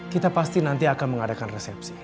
kita pasti nanti akan mengadakan resepsi